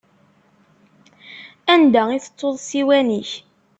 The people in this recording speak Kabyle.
Anda i tettuḍ ssiwan-ik?